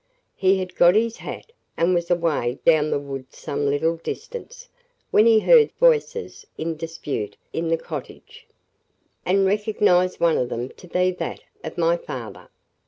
"He had got his hat, and was away down the wood some little distance, when he heard voices in dispute in the cottage, and recognized one of them to be that of my father.